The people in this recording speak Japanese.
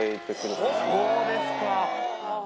そうですか。